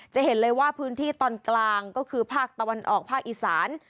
จะเห็นเลยว่าพื้นที่ตอนกลางก็คือภาคตะวันออกภาคอีสาน